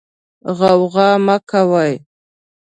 غوغا مه کوئ.